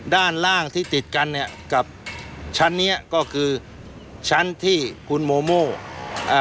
ด้านล่างที่ติดกันเนี้ยกับชั้นเนี้ยก็คือชั้นที่คุณโมโม่อ่า